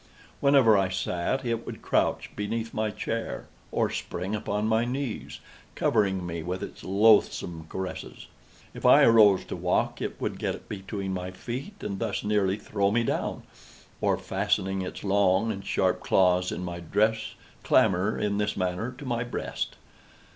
Whenever I sat, it would crouch beneath my chair, or spring upon my knees, covering me with its loathsome caresses. If I arose to walk it would get between my feet and thus nearly throw me down, or, fastening its long and sharp claws in my dress, clamber, in this manner, to my breast.